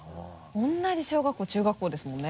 同じ小学校中学校ですもんね。